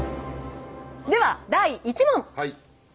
では第１問。